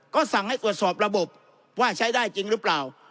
ก็สั่งให้ตรวจสอบระบบว่าใช้ได้จริงหรือเปล่า